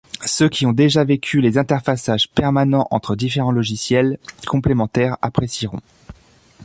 Ceux qui ont déjà vécu les interfaçages permanents entre différents logiciels complémentaires apprécieront.